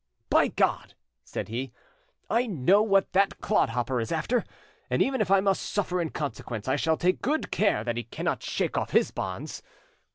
"By God!" said he, "I know what the clodhopper is after; and even if I must suffer in consequence, I shall take good care that he cannot shake off his bonds.